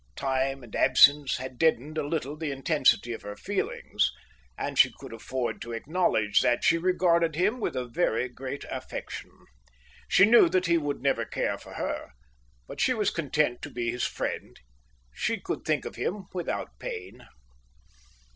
Time and absence had deadened a little the intensity of her feelings, and she could afford to acknowledge that she regarded him with very great affection. She knew that he would never care for her, but she was content to be his friend. She could think of him without pain.